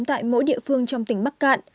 tại mỗi địa phương trong tỉnh bắc cạn